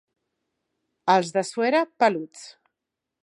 Els de Suera, peluts.